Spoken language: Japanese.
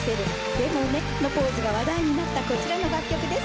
「でもね」のポーズが話題になったこちらの楽曲です。